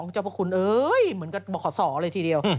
เจ้าพระคุณเหมือนกับขอสอเลยทีเดียว